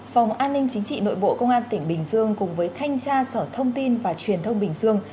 phòng an ninh chính trị nội bộ công an tỉnh bình dương cùng với thanh tra sở thông tin và truyền thông bình dương